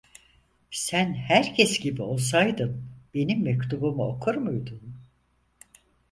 Sen herkes gibi olsaydın benim mektubumu okur muydun?